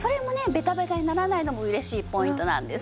ベタベタにならないのも嬉しいポイントなんですよ。